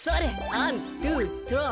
アンドゥトロワ。